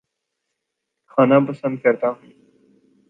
کھانا پسند کرتا ہوں